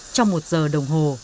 trong một giờ đồng hồ